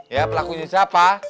ya pelakunya siapa